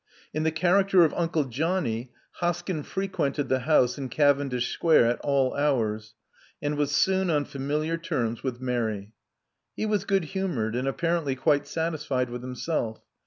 In the character of Uncle Johnny, Hoskyn frequented the house in Cavendish Square at all hours, and was soon on familiar terms with Mary. He was good humored, and apparently quite satisfied with himself.